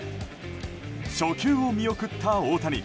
初球を見送った大谷。